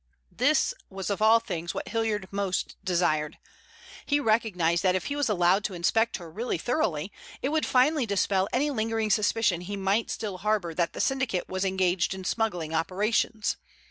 This was of all things what Hilliard most desired. He recognized that if he was allowed to inspect her really thoroughly, it would finally dispel any lingering suspicion he might still harbor that the syndicate was engaged in smuggling operations.